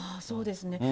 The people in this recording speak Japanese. そうですね。